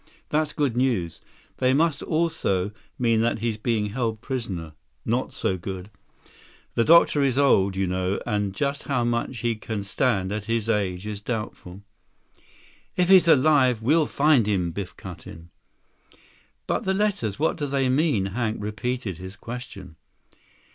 That's good news. They must also mean that he's being held prisoner. Not so good. The doctor is old, you know, and just how much he can stand at his age is doubtful." "If he's alive, we'll find him," Biff cut in. "But the letters, what do they mean?" Hank repeated his question.